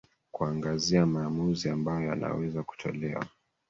kuangazia maamuzi ambayo yanaweza kutolewa